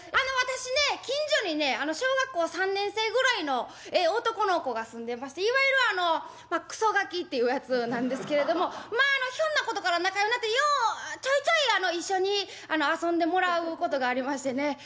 私ね近所にね小学校３年生ぐらいの男の子が住んでましていわゆるあのくそガキっていうやつなんですけれどもまああのひょんなことから仲ようなってようちょいちょい一緒に遊んでもらうことがありましてね